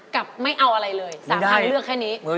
กับไม่เอาอะไรเลยสามทางเลือกแค่นี้ไม่ได้